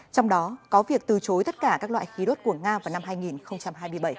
trong đó có việc từ chối tất cả các loại khí đốt của nga vào năm hai nghìn hai mươi bảy